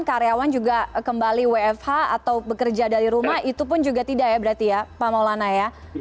karyawan juga kembali wfh atau bekerja dari rumah itu pun juga tidak ya berarti ya pak maulana ya